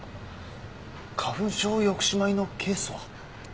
花粉症抑止米のケースは？